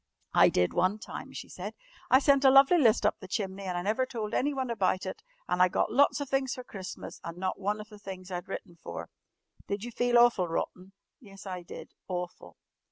"I did one time," she said. "I sent a lovely list up the chimney and I never told anyone about it and I got lots of things for Christmas and not one of the things I'd written for!" "Did you feel awful rotten?" "Yes, I did. Awful."